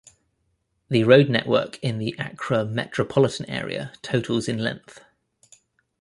The road network in the Accra Metropolitan Area totals in length.